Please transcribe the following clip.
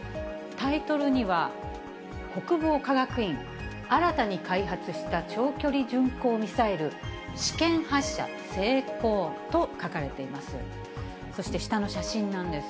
タイトルには、国防科学院、新たに開発した長距離巡航ミサイル試験発射成功と書かれています。